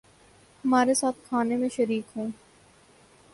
ہمارے ساتھ کھانے میں شریک ہوں